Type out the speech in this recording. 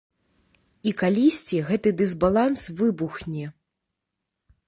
І калісьці гэты дысбаланс выбухне.